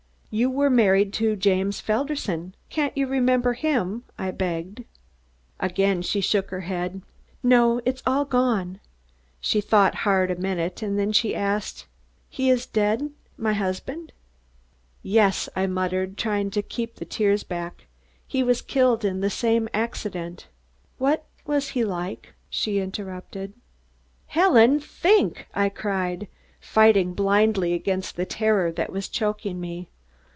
"You were married to James Felderson. Can't you remember him?" I begged. Again she shook her head. "No. It's all gone." She thought hard a minute, then she asked: "He is dead my husband?" "Yes," I muttered, trying to keep the tears back, "he was killed in the same accident " "What was he like?" she interrupted. "Helen, think!" I cried, fighting blindly against the terror that was choking me.